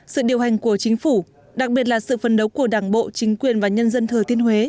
sự điều hành của chính phủ đặc biệt là sự phấn đấu của đảng bộ chính quyền và nhân dân thừa thiên huế